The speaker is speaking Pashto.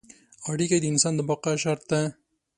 اړیکه د انسان د بقا شرط ده.